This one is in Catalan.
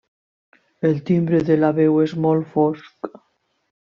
El timbre de la veu és molt fosc.